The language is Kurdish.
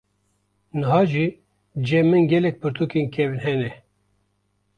niha jî cem min gelek pirtukên kevn hene.